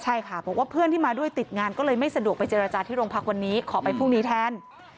ใช่ค่ะบอกว่าเพื่อนที่มาด้วยติดงานก็เลยไม่สะดวกไปเจรจาที่โรงพักวันนี้ขอไปพรุ่งนี้แทน